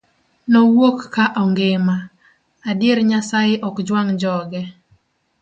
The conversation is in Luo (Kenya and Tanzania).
Nowuok ka ongima, adier Nyasaye ok jwang' joge.